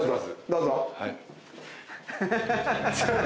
どうぞ。